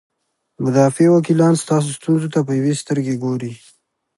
مدافع وکیلان ستاسو ستونزو ته په یوې سترګې ګوري.